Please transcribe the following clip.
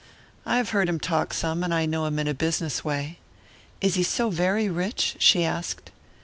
"I have heard him talk some, and I know him in a business way." "Is he so very rich?" she asked.